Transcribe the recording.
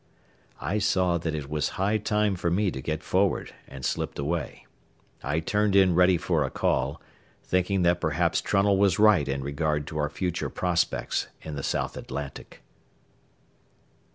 I saw that it was high time for me to get forward, and slipped away. I turned in ready for a call, thinking that perhaps Trunnell was right in regard to our future prospects in the South Atlantic.